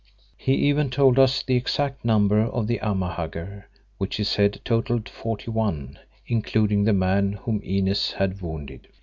He even told us the exact number of the Amahagger, which he said totalled forty one, including the man whom Inez had wounded.